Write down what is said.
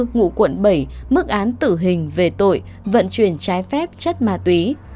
ngụ quận bảy mức án tử hình về tội vận chuyển trái phép chất ma túy